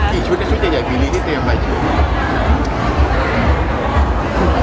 กี่ชุดต่างกี่ลิฟต์ได้เตรียมหลายชุด